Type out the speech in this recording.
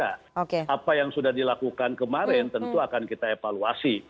apa yang sudah dilakukan kemarin tentu akan kita evaluasi